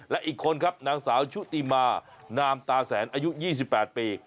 และอีกคนครับนางสาวชุติมานามตาแสนอายุ๒๘ปี